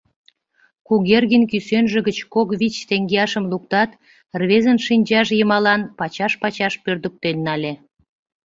— Кугергин кӱсенже гыч кок вич теҥгеашым луктат, рвезын шинчаж йымалан пачаш-пачаш пӧрдыктен нале.